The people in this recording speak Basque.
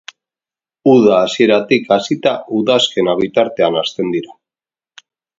Uda hasieratik hasita udazkena bitartean hazten dira.